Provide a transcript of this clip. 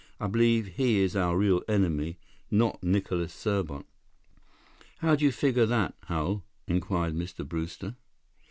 "I believe he is our real enemy, not Nicholas Serbot." "How do you figure that, Hal?" inquired Mr. Brewster.